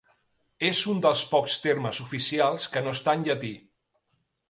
És un dels pocs termes oficials que no està en llatí.